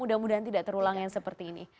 mudah mudahan tidak terulang yang seperti ini